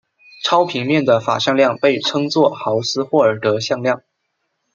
超平面的法向量被称作豪斯霍尔德向量。